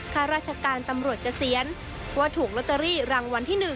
ข้าราชการตำรวจเกษียณว่าถูกลอตเตอรี่รางวัลที่๑